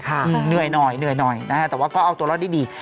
เหนื่อยหน่อยแต่ว่าก็เอาตัวเราดี